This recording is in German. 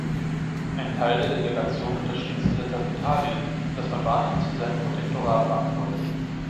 Ein Teil der Delegation unterstützte deshalb Italien, das Albanien zu seinem Protektorat machen wollte.